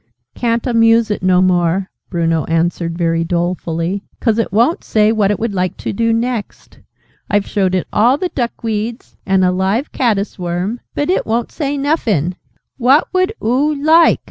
"Ca'n't amuse it no more," Bruno answered, very dolefully, "'cause it won't say what it would like to do next! I've showed it all the duck weeds and a live caddis worm but it won't say nuffin! What would oo like?'"